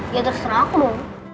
ya terserah aku